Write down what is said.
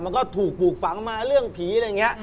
มันก็ถูกปลูกฝังมาเรื่องผีอะไรอย่างนี้